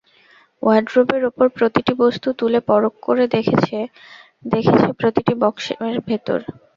ওয়ারড্রবের ওপর প্রতিটি বস্তু তুলে পরখ করে দেখেছে, দেখেছে প্রতিটি বক্সের ভেতর।